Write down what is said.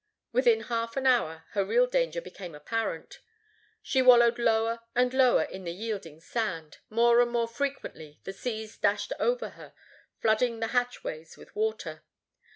Within half an hour her real danger became apparent; she wallowed lower and lower in the yielding sand; more and more frequently the seas dashed over her, flooding the hatchways with water.